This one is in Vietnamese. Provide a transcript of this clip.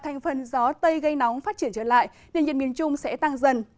còn gió tây gây nóng phát triển trở lại nền nhiệt miền trung sẽ tăng dần